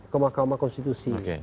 ke mahkamah konstitusi